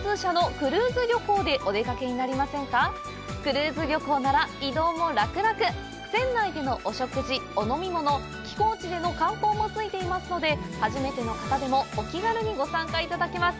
クルーズ旅行なら移動も楽々船内でのお食事、お飲み物寄港地での観光もついていますので初めての方でもお気軽にご参加いただけます。